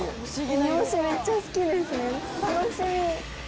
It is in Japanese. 楽しみ！